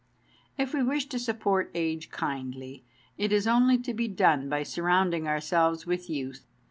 If we wish to support age kindly, it is only to be done by surrounding ourselves with youth.